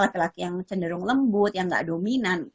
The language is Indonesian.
laki laki yang cenderung lembut yang gak dominan